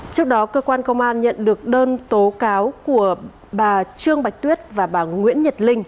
trước đó cơ quan công an nhận được đơn tố cáo của bà trương bạch tuyết và bà nguyễn nhật linh